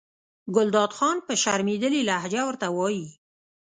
ګلداد خان په شرمېدلې لهجه ورته وایي.